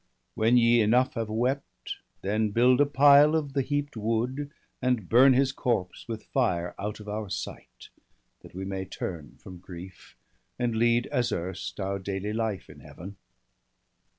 When ye enough have wept, then build a pile Of the heap'd wood, and burn his corpse with fire Out of our sight; that we may turn from grief. And lead, as erst, our daily life in Heaven.'